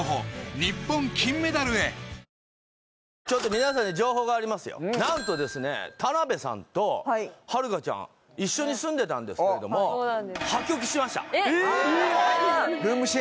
皆さんに情報がありますよ何とですね田辺さんとはるかちゃん一緒に住んでたんですけれどもそうなんですえっ！？